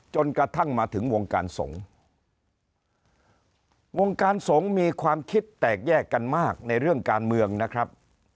จนกระทั่งมาถึงวงการสงฆ์วงการสงฆ์มีความคิดแตกแยกกันมากในเรื่องการเมืองนะครับ